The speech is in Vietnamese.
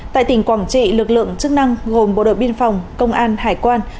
tại tỉnh quảng trị lực lượng chức năng gồm bộ đội biên phòng công an hải quan